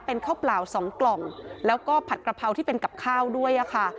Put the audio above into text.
เป็นข้าวเปล่าสองกล่องแล้วก็ผัดกระเพราที่เป็นกับข้าวด้วยค่ะ